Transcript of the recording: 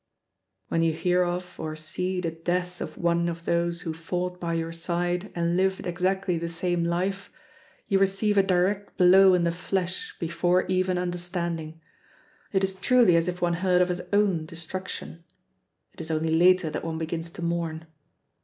When you hear of or see the death of one of those who fought by your side and lived exactly the same life, you receive a direct blow in the flesh before even understanding. It is truly as if one heard of his own destruction. It is only later that one begins to mourn.